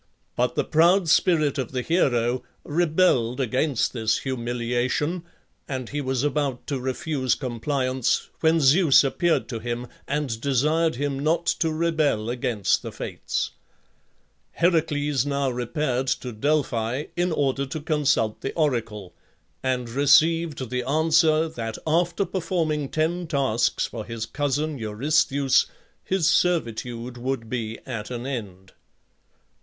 But the proud spirit of the hero rebelled against this humiliation, and he was about to refuse compliance, when Zeus appeared to him and desired him not to rebel against the Fates. Heracles now repaired to Delphi in order to consult the oracle, and received the answer that after performing ten tasks for his cousin Eurystheus his servitude would be at an end.